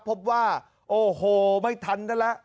พบว่าโอ้โหไม่ทันแล้วละ